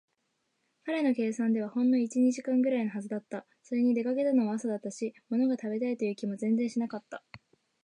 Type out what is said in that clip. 彼の計算ではほんの一、二時間ぐらいのはずだった。それに、出かけたのは朝だったし、ものが食べたいという気も全然しなかった。